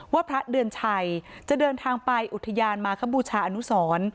พระเดือนชัยจะเดินทางไปอุทยานมาคบูชาอนุสร